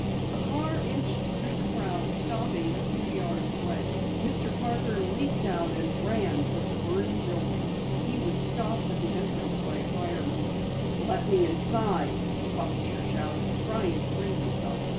A car inched through the crowd, stopping a few yards away. Mr. Parker leaped out and ran toward the burning building. He was stopped at the entrance by a fireman. "Let me in there!" the publisher shouted, trying to free himself.